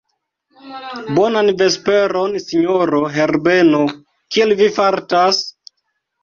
Bonan vesperon, sinjoro Herbeno; kiel vi fartas?